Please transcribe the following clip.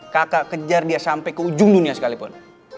kakak kejar dia sampai ke ujung dunia sekalipun